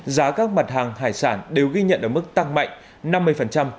giá các mặt hàng hải sản đều ghi nhận ở mức tăng mạnh năm mươi